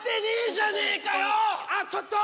ああちょっと！